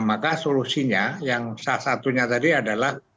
maka solusinya yang salah satunya tadi adalah